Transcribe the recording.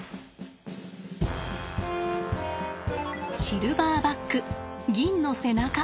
シルバーバック銀の背中。